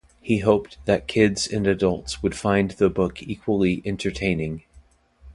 He hoped that kids and adults would find the book equally entertaining.